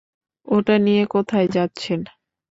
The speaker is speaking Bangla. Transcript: ওটা নিয়ে কোথায় যাচ্ছেন?